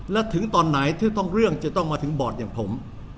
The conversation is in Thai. และถึงตอนไหนที่ต้องเรื่องจะต้องมาถึงบอร์ดอย่างผม